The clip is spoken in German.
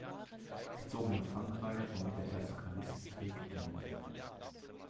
Sie zogen nach Frankreich, womit der erste Carlistenkrieg endete.